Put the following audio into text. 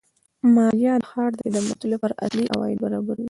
مالیه د ښار د خدماتو لپاره اصلي عواید برابروي.